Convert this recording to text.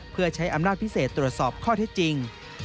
เพื่อใช้อำนาจพิเศษตรวจสอบข้อเท็จจริง